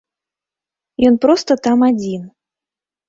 Ён проста там адзін.